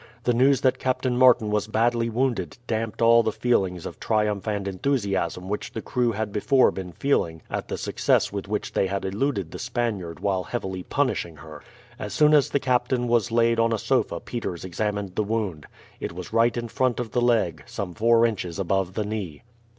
The news that Captain Martin was badly wounded damped all the feelings of triumph and enthusiasm which the crew had before been feeling at the success with which they had eluded the Spaniard while heavily punishing her. As soon as the captain was laid on a sofa Peters examined the wound. It was right in front of the leg, some four inches above the knee.